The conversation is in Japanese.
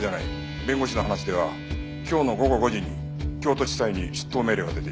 弁護士の話では今日の午後５時に京都地裁に出頭命令が出ていた。